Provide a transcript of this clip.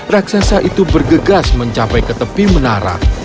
raksasa itu bergegas mencapai ke tepi menara